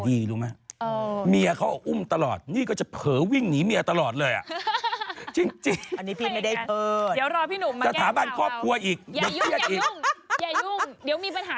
หนูเคยตีกันแล้วหนูขับรถไปหน่า